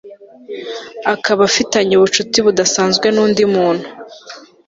akaba afitanye ubucuti budasanzwe n'undi muntu